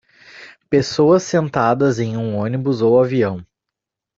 Pessoas sentadas em um ônibus ou avião.